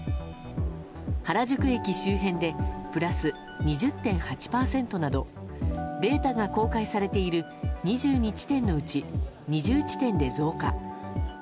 原宿駅周辺でプラス２０．８％などデータが公開されている２２地点のうち２０地点で増加。